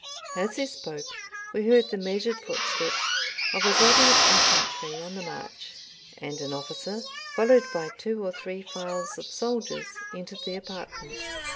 As he spoke we heard the measured footsteps of a body of infantry on the march; and an officer, followed by two or three files of soldiers, entered the apartment.